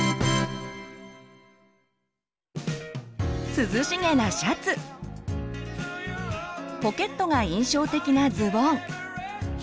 涼しげなシャツポケットが印象的なズボン